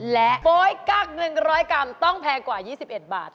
และโป๊ยกั๊ก๑๐๐กรัมต้องแพงกว่า๒๑บาท